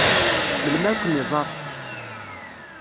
Melmi ad ken-iẓeṛ?